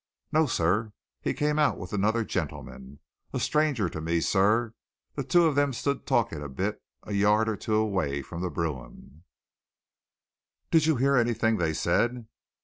"No sir. He came out with another gentleman a stranger to me, sir. The two of 'em stood talking a bit a yard or two away from the brougham." "Did you hear anything they said?"